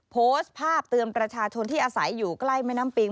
โพสต์ภาพเตือนประชาชนที่อาศัยอยู่ใกล้แม่น้ำปิง